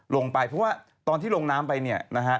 ลงไปเพราะว่าตอนที่ลงน้ำไปเนี่ยนะฮะ